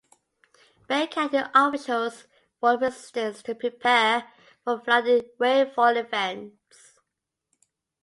Bay County officials warned residents to prepare for flooding rainfall events.